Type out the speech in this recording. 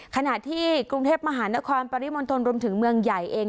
ขณะที่กรุงเทพมหานครปริมณฑลรวมถึงเมืองใหญ่เอง